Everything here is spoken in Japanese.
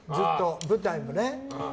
舞台もね。